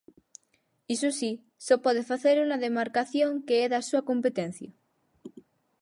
Iso si, só pode facelo na demarcación que é da súa competencia.